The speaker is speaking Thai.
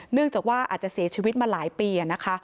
เนื่องจากว่าอาจจะเสียชีวิตมาหลายปีนะคะ